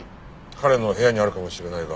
彼の部屋にあるかもしれないが。